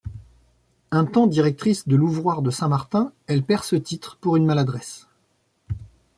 Un temps directrice de l'ouvroir de Saint-Martin, elle perd ce titre pour une maladresse.